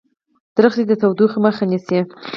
ونې د تودوخې مخه نیسي.